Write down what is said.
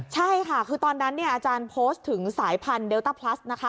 ใช่ค่ะคือตอนนั้นเนี่ยอาจารย์โพสต์ถึงสายพันธุเดลต้าพลัสนะคะ